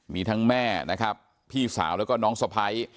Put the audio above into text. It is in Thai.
มีทั้งแม่นะครับพี่สาวแล้วก็น้องสะพ้าย